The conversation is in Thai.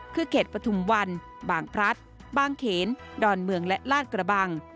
คือเขตปฐุมวันบางพลัดบางเขนดอนเมืองและลาดกระบัง